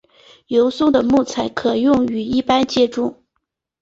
油松的木材可用于一般建筑。